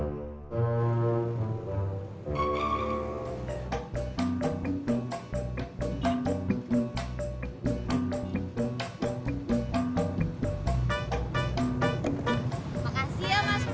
makasih ya mas pur